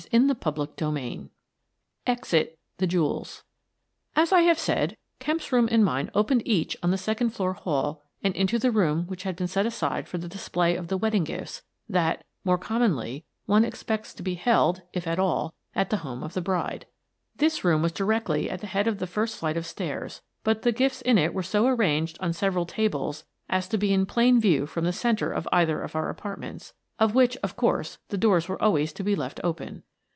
> CHAPTER IV EXIT THE JEWELS As I have said, Kemp's room and mine opened each on the second floor hall and into the room which had been set aside for the display of the wedding gifts that, more commonly, one expects to be held, if at all, at the home of the bride. This room was directly at the head of the first flight of stairs, but the gifts in it were so arranged on several tables as to be in plain view from the centre of either of our apartments, of which, of course, the doors were always to be left open.